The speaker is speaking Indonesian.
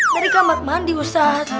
dari kamar mandi ustadz